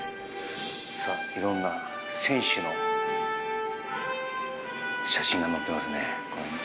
いろんな選手の写真が載ってますね。